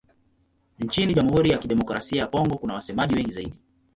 Nchini Jamhuri ya Kidemokrasia ya Kongo kuna wasemaji wengi zaidi.